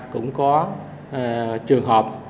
cũng có trường hợp